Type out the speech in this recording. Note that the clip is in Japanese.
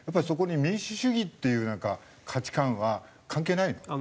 そこに民主主義っていう価値観は関係ないの？